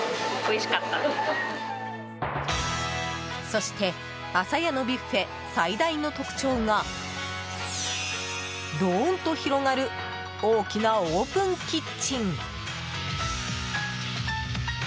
そして、あさやのビュッフェ最大の特徴がドーンと広がる大きなオープンキッチン。